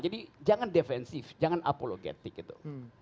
jadi jangan defensif jangan apologetic gitu